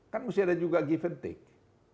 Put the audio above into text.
kan mesti ada juga give and take